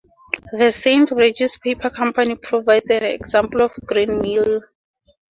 The Saint Regis Paper Company provides an example of greenmail.